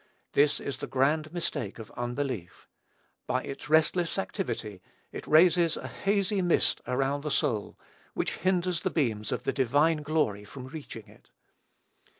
This is the grand mistake of unbelief. By its restless activity, it raises a hazy mist around the soul, which hinders the beams of the divine glory from reaching it.